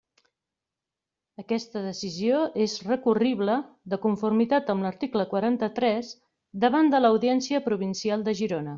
Aquesta decisió és recurrible, de conformitat amb l'article quaranta-tres, davant de l'Audiència Provincial de Girona.